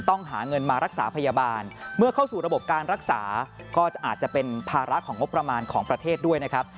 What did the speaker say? หาเงินมารักษาพยาบาลเมื่อเข้าสู่ระบบการรักษาก็อาจจะเป็นภาระของงบประมาณของประเทศด้วยนะครับ